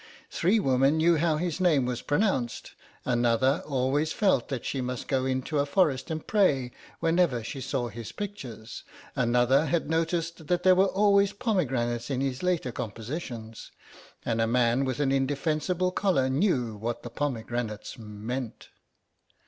Three women knew how his name was pronounced, another always felt that she must go into a forest and pray whenever she saw his pictures, another had noticed that there were always pomegranates in his later compositions, and a man with an indefensible collar knew what the pomegranates "meant."